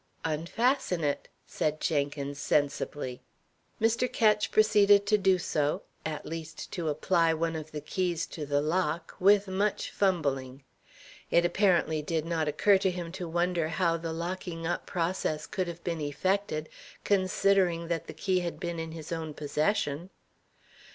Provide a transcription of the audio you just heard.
"Unfasten it," said Jenkins sensibly. Mr. Ketch proceeded to do so at least to apply one of the keys to the lock with much fumbling. It apparently did not occur to him to wonder how the locking up process could have been effected, considering that the key had been in his own possession.